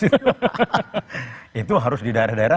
itu harus di daerah daerah